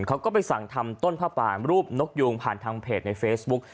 เขาก็ไปสั่งทำต้นผ้าป่ารูปนกยูงผ่านทางเพจในเฟซบุ๊ก